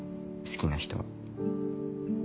好きな人は。